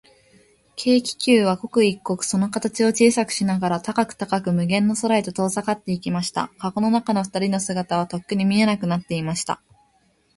軽気球は、刻一刻、その形を小さくしながら、高く高く、無限の空へと遠ざかっていきました。かごの中のふたりの姿は、とっくに見えなくなっていました。